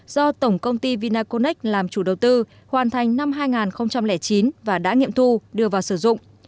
do tổng công ty vinaconex làm chủ đầu tư hoàn thành năm hai nghìn chín và đã nghiệm thu đưa vào sử dụng